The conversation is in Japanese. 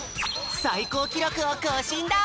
さいこうきろくをこうしんだ！